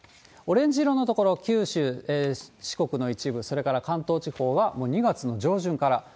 オレンジ色の所、九州、四国の一部、それから関東地方は、もう２月の上旬から。